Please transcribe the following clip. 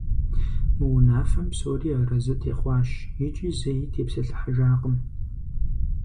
Мы унафэм псори аразы техъуащ икӏи зэи тепсэлъыхьыжакъым.